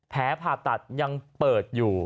แผลผ่าตัดยังเปิดอยู่